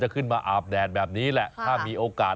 ขึ้นมาอาบแดดแบบนี้แหละถ้ามีโอกาส